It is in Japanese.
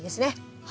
はい。